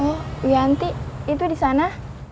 oh wianti itu disana